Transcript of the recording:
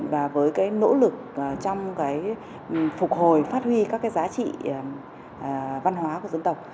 những nỗ lực trong phục hồi phát huy các giá trị văn hóa của dân tộc